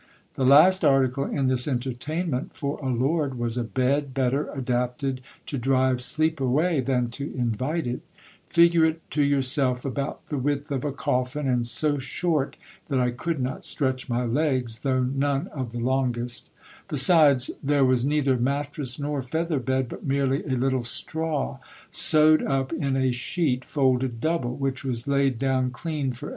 The last article in this entertainment for a lord was a bed better adapted to drive sleep away than to invite it Figure it to yourself about the width of a coffin, and so short that I could not stretch my legs, though none of the longest Besides, there was neither mattress nor feather bed, but merely a litde straw sewed up in a sheet folded double, which was laid down clean for 6o GIL BLAS.